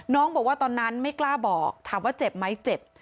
น้องบอกว่าตอนนั้นไม่กล้าบอกถามว่าเจ็บไหมเจ็บ